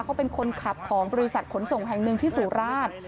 เขาเป็นคนขับของบริษัทขนส่งแห่งหนึ่งที่สุราช